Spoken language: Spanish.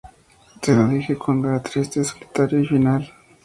Se lo dije cuando era triste, solitario y final".